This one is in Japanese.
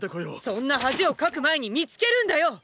そんな恥をかく前に見付けるんだよ！